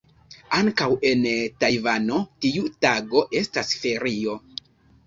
Ankaŭ en Tajvano tiu tago estas ferio.